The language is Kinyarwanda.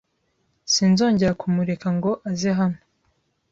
Sinzongera kumureka ngo aze hano.